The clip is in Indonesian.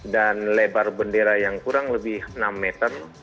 dan lebar bendera yang kurang lebih enam meter